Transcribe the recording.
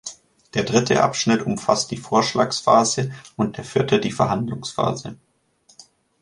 Der dritte Abschnitt umfasst die Vorschlagsphase und der vierte die Verhandlungsphase.